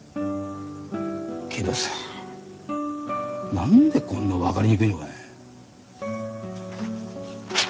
けどさぁ何でこんな分かりにくいのかね。